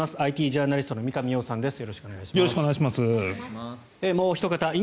ＩＴジャーナリストの三上洋さんです。